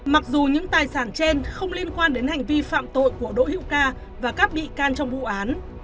mặc dù những tài sản trên không liên quan đến hành vi phạm tội của đỗ hữu ca và các bị can trong vụ án